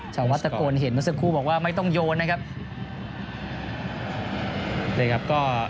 เฉาวัดทะโกรณ์เห็นมันก็ช่วยคุกบอกว่าไม่ต้องโยนนะครับ